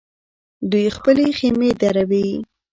دوی خپلې خېمې دروي.